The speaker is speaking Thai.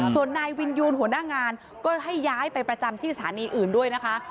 ส่วนนายวินยูนหัวหน้างานก็ให้ย้ายไปประจำที่สถานีอื่นด้วยนะคะ